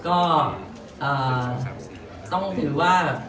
ขอบคุณครับ